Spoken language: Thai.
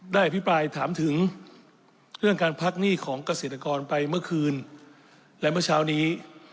อภิปรายถามถึงเรื่องการพักหนี้ของเกษตรกรไปเมื่อคืนและเมื่อเช้านี้